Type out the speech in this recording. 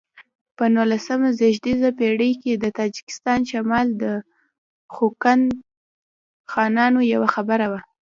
په نولسمه زېږدیزه پیړۍ کې د تاجکستان شمال د خوقند خانانو یوه برخه و.